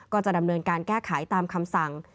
ก็จะดำเนินการแก้ไขตามคำสั่ง